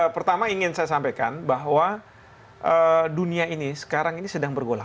pertama ingin saya sampaikan bahwa dunia ini sekarang ini sedang bergolak